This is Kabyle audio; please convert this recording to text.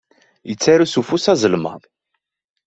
Yettaru s ufus azelmaḍ.